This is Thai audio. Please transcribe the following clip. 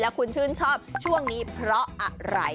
คุณชื่นชอบช่วงนี้เพราะอะไร